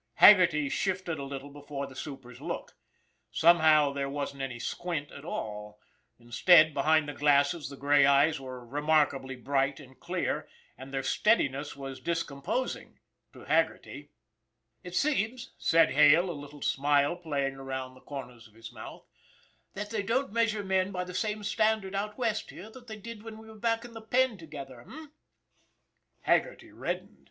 Haggerty shifted a little before the super's look. Somehow, there wasn't any squint at all; instead, be hind the glasses, the gray eyes were remarkably bright and clear, and their steadiness was discomposing to Haggerty. " It seems," said Hale, a little smile playing around the corners of his mouth, " that they don't measure men by the same standard out West here that they did when we were back on the Penn together, eh ?" Haggerty reddened.